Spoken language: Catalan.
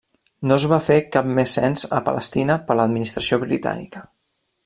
No es va fer cap més cens a Palestina per l'administració britànica.